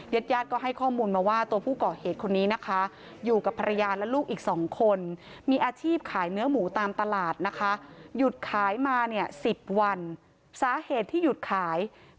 ยัดยาดก็ให้ข้อมูลมาว่า